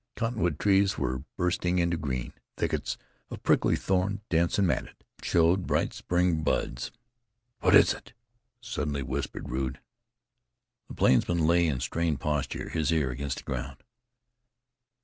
Cottonwood trees were bursting into green; thickets of prickly thorn, dense and matted, showed bright spring buds. "What is it?" suddenly whispered Rude. The plainsman lay in strained posture, his ear against the ground.